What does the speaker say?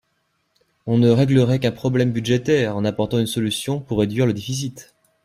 On ne réglerait qu’un problème budgétaire en apportant une solution pour réduire le déficit.